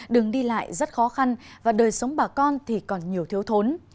đường đi lại rất khó khăn và đời sống bà con thì còn nhiều thiếu thốn